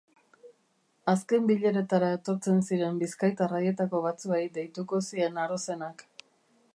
Azken bileretara etortzen ziren bizkaitar haietako batzuei deituko zien Arozenak.